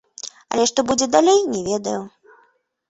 Але што будзе далей, не ведаю.